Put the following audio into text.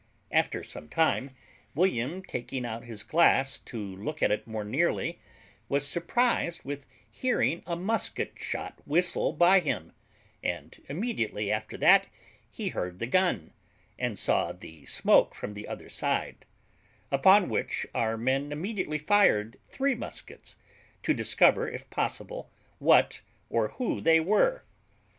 After some time, William, taking out his glass to look at it more nearly, was surprised with hearing a musket shot whistle by him, and immediately after that he heard the gun, and saw the smoke from the other side; upon which our men immediately fired three muskets, to discover, if possible, what or who they were.